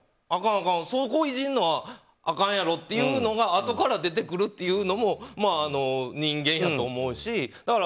あかんあかん、そこをいじるのはあかんやろっていうのがあとから出てくるというのも人間やと思うし。